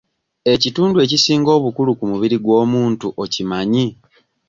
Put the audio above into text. Ekitundu ekisinga obukulu ku mubiri gw'omuntu okimanyi?